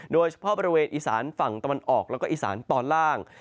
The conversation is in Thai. โดยเฉพาะบริเวณอีสานฝั่งตะวันออกแล้วก็อีสานตอนล่าง